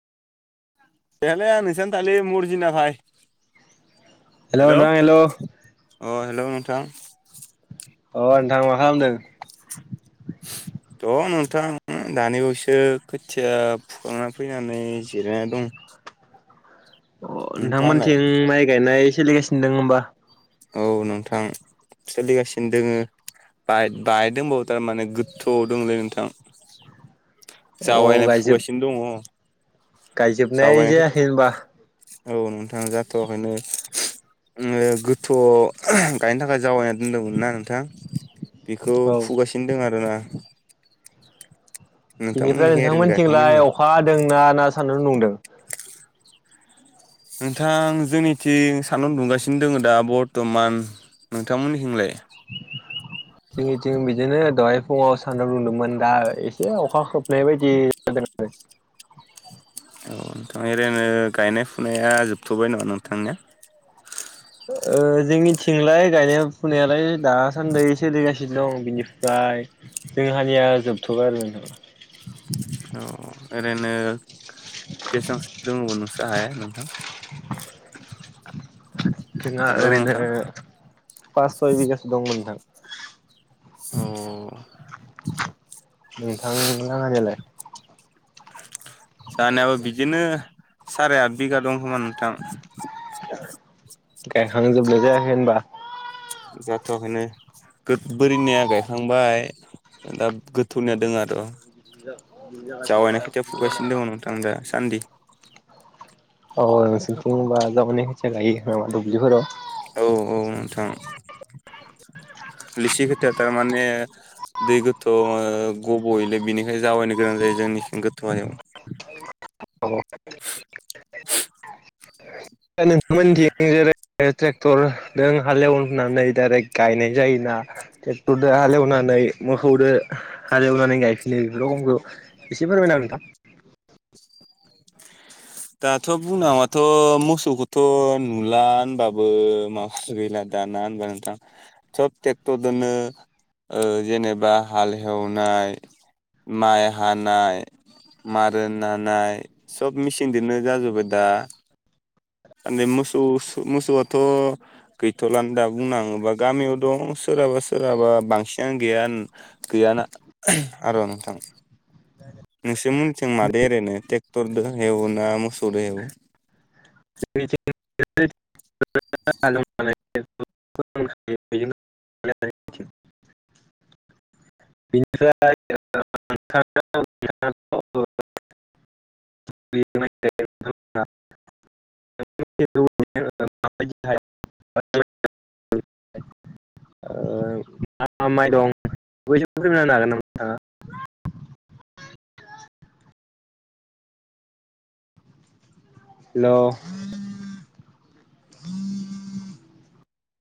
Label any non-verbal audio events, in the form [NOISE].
[UNINTELLIGIBLE] थाललि मुरजिना भाय हेल' अ हेल' नोंथां अ नोंथां मा खालामदों? दं नोंथां दानि बावसो खोथिया फुखांना फैनानै जिरायनानै दं। [INAUDIBLE] अ नोंथाङालाय नोंथांमोनथिं माइ गायनाय सोलिगासिनो दं होमबा? औ नोंथां सोलिगासिनो दोङो। बाय बाय दंबावो थारमाने गोथौआव दंलै नोंथा अ जावायनाय गायजोब फुगासिनो दङ गायजोबनाय जावायनायखौ जायाखै होनबा औ नोंथां जाथवखायनो गोथौ [UNINTELLIGIBLE] गायनो थाखाय जावाय होनदोंमोन ना नोंथां बेखौ औ फुगासिनो दं आरोना। बिनिफ्राय नोंथांमोननिखै ओरैनो गायखांबाय नोंथांमोनथिंलाय नामा अखा हादोंना ना सानदुं दुंदों? नोंथां जोंनिथिं सान्दुं दुंगासिनो दङ दा बर्थमान नोंथांमोननिथिंलाय? [INAUDIBLE] जोंनिथिं बिदिनो दहाय फुङाव सान्दुं रुंदोंमोन दा एसे अखा खोबनाय बायदि जादों। [INAUDIBLE] [UNINTELLIGIBLE] ओ ओ जोंनिथिंलाय गायनाय फुनायालाय दासान्दि सोलिगासिनो दं बिनिफ्रा आइ जों हानिया जोबथ'बाय आरो नोंथां अ ओरैनो बेसांसो दङ' नोंस [UNINTELLIGIBLE] नोंथां जोंहा हेल' ओरैनो नोंथां पास सय बिगासो दंमोन नोंथां औ नोंथां लाङानियालाय जानायाबो बिदिनो साराय आठ बिगा दं खोमा नोंथां गायखां जोबनो जायाखै होनबा? जाथ'याखैनो गोद बोरिनिया गायखांबाय दा गोथौनिया दोङो आरो। जावायनाय खोथिया फुगासिनो दङ' नोंथां दासान्दि। औ ओ नोंसोरनिथिं ओमबा जावायनाय खोथिया गायो दुबलिफोराव औ औ नोंथां लिसि खोथिया तारमाने दै गोथौ ओ गब'योलै बेनिखाय जावायनो गोनां जायो जोंनिथिं गोथौ हायाव। [UNINTELLIGIBLE] दा नोंथांमोननिथिं जेरै ओ ट्रेक्टरदों हालेवनानै डाइरेक गायनाय जायोना ट्रेक्टरदो हालेवनानै [UNINTELLIGIBLE] मोखौदो हाल एवनानै गायफिनो बे रखमखौ इसे फोरमायनाहो नोंथां [INAUDIBLE] दाथ' बुंनांमाथ' मोसौखौथ' नुला होनबाबो मा [UNINTELLIGIBLE] गैला दा ना ओनबा नोंथां थप टेक्टरदोनो ओ जेनेबा हालहेवनाय माइ हानाय मारोन नानाय सब मिस सिनदोनो जाजोबबाय दा। आनि मोसौस मोसौआथ' गैथ'लानो दा बुंनाङोबा गामियाव दं सो सोरहाबा सोरहाबा बांसिनानो गैयाओन गैयाना आरो नोंथां। [INAUDIBLE] नोंसोर मोनथिं मादो एरैनो टेक्टरदो एवो ना मोसौदो हेवो। [UNINTELLIGIBLE] [UNINTELLIGIBLE] [UNINTELLIGIBLE] [UNINTELLIGIBLE] [UNINTELLIGIBLE] ओ मा माइ दं। बोयजोंबो होनो [UNINTELLIGIBLE] हागोन नामा नोंथांङा हेलौ